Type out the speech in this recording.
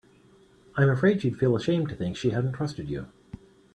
I'm afraid she'd feel ashamed to think she hadn't trusted you.